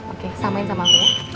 oke samain sama aku